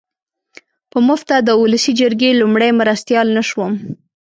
په مفته د اولسي جرګې لومړی مرستیال نه شوم.